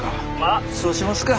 ああそうしますか。